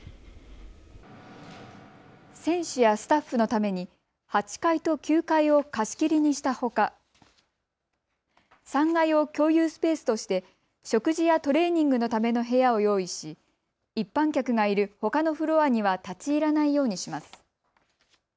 選手やスタッフのために８階と９階を貸し切りにしたほか３階を共有スペースとして食事やトレーニングのための部屋を用意し一般客がいる、ほかのフロアには立ち入らないようにします。